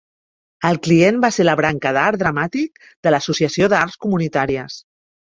El client va ser la branca de Art dramàtic de l'Associació d'Arts Comunitàries.